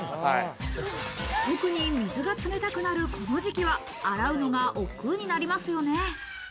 特に水が冷たくなるこの時期は、洗うのがおっくうになりますよね。